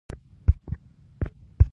غواګانې هره ورځ شیدې ورکوي.